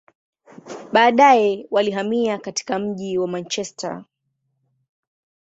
Baadaye, walihamia katika mji wa Manchester.